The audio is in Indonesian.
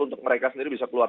untuk mereka sendiri bisa keluar